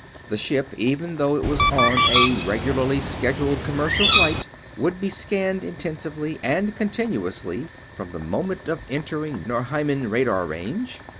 The ship, even though it was on a regularly scheduled commercial flight, would be scanned intensively and continuously from the moment of entering Norheiman radar range.